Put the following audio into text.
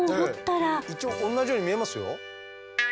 一応同じように見えますよ。